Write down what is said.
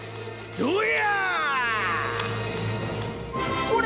どや？